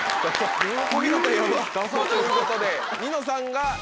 ということでニノさんが優勝です。